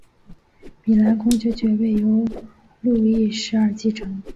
米兰公爵爵位由路易十二继承。